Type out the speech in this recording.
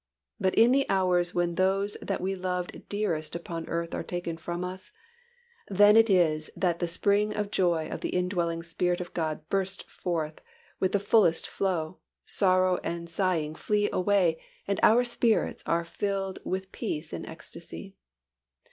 But in the hours when those that we loved dearest upon earth are taken from us, then it is that the spring of joy of the indwelling Spirit of God bursts forth with fullest flow, sorrow and sighing flee away and our own spirits are filled with peace and ecstasy.